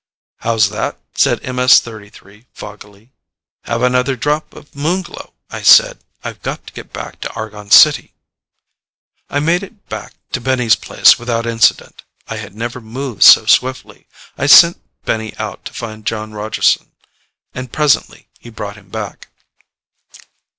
"How's that?" said MS 33 foggily. "Have another drop of Moon Glow," I said. "I've got to get back to Argon City." I made it back to Benny's place without incident. I had never moved so swiftly. I sent Benny out to find Jon Rogeson, and presently he brought him back.